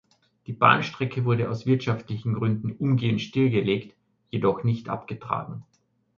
Die Bahnstrecke wurde aus wirtschaftlichen Gründen umgehend stillgelegt, jedoch nicht abgetragen.